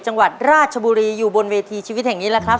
จังหวัดราชบุรีอยู่บนเวทีชีวิตแห่งนี้แหละครับ